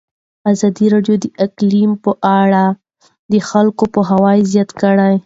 ازادي راډیو د اقلیم په اړه د خلکو پوهاوی زیات کړی.